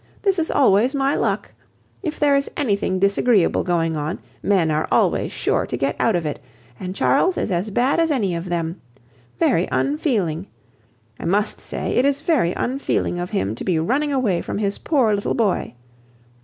This is always my luck. If there is anything disagreeable going on men are always sure to get out of it, and Charles is as bad as any of them. Very unfeeling! I must say it is very unfeeling of him to be running away from his poor little boy.